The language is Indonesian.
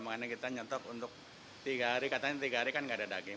makanya kita nyetok untuk tiga hari katanya tiga hari kan nggak ada daging